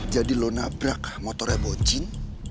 jadi lu nabrak motornya boncin